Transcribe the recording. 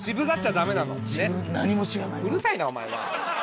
うるさいなお前は。